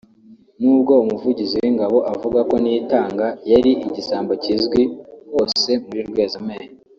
n’ubwo Umuvugizi w’Ingabo avuga ko Niyitanga yari igisambo kizwi hose muri Rwezamenyo